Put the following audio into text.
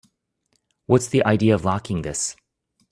What's the idea of locking this?